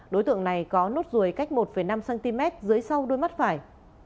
đối tượng này có nốt ruồi cách một năm cm dưới sau đuôi mắt phải